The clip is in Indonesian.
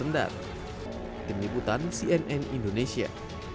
tim liputan cnn indonesia